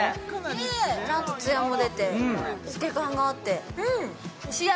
ちゃんとツヤも出て透け感があってうん！